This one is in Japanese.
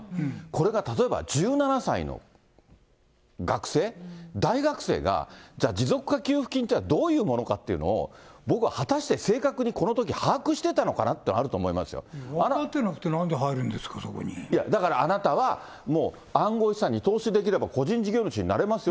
これが例えば１７歳の学生、大学生が、じゃあ、持続化給付金というのはどういうものかっていうのを、僕は果たして正確にこのとき把握してたのかなっていうのはあると分かってなくてなんで入るんいやだから、あなたはもう暗号資産に投資すれば、個人事業主になれます